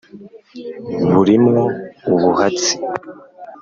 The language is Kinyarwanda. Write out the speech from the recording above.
Buri mwo ubuhatsi*,